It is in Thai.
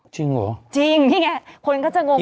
จริงเหรอจริงนี่ไงคนก็จะงง